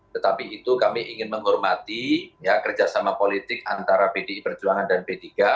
tetapi itu kami ingin menghormati kerjasama politik antara pdi perjuangan dan p tiga